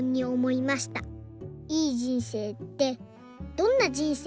いい人生ってどんな人生ですか？」。